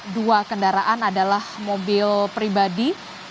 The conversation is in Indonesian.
dua kendaraan adalah mobil pribadi